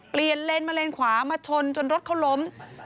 เปลี่ยนเลนส์มาเลนส์ขวามาชนจนรถเขาล้ม